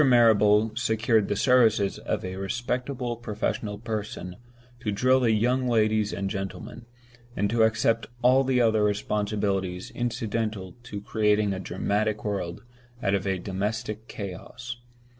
Marrable secured the services of a respectable professional person to drill the young ladies and gentlemen, and to accept all the other responsibilities incidental to creating a dramatic world out of a domestic chaos.